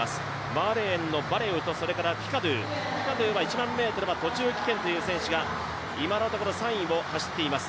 バーレーンのバレウと１００００ｍ、途中棄権という選手が今のところ３位を走っています。